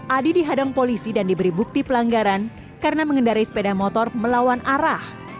adi dihadang polisi dan diberi bukti pelanggaran karena mengendarai sepeda motor melawan arah